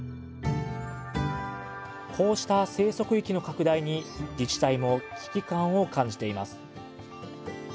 こうした生息域の拡大に自治体も危機感を感じています